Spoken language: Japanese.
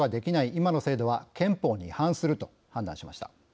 今の制度は憲法に違反すると判断しました。